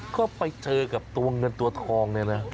ก็ไปเจอกับตัวเงินตัวทองเนี่ยนะ